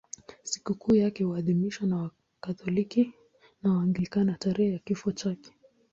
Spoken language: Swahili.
Sikukuu yake huadhimishwa na Wakatoliki na Waanglikana tarehe ya kifo chake.